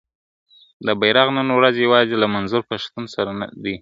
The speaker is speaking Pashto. دا بیرغ نن ورځ یوازي له منظور پښتین سره دی ..